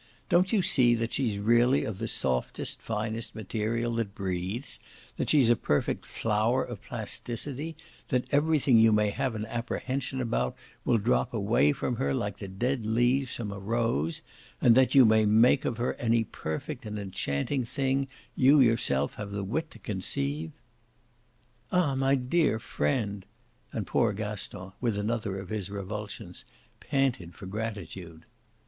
Don't you see that she's really of the softest finest material that breathes, that she's a perfect flower of plasticity, that everything you may have an apprehension about will drop away from her like the dead leaves from a rose and that you may make of her any perfect and enchanting thing you yourself have the wit to conceive?" "Ah my dear friend!" and poor Gaston, with another of his revulsions, panted for gratitude.